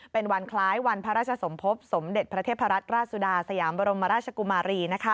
เป็นวันคล้ายวันพระราชสมภพสมเด็จพระเทพรัตนราชสุดาสยามบรมราชกุมารี